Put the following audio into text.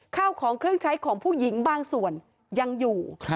ข้าวของเครื่องใช้ของผู้หญิงบางส่วนยังอยู่